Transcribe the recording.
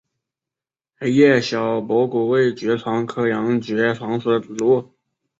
黑叶小驳骨为爵床科洋爵床属的植物。